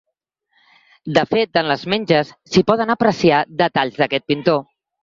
De fet, en les menges s’hi poden apreciar detalls d’aquest pintor.